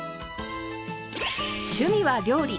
趣味は料理。